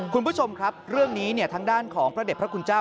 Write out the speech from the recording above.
คุณผู้ชมครับเรื่องนี้ทางด้านของพระเด็จพระคุณเจ้า